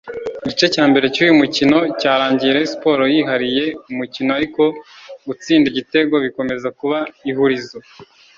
Igice cya mbere cy’uyu mukino cyarangiye Rayon Sports yihariye umukino ariko gutsinda igitego bikomeza kuba ihurizo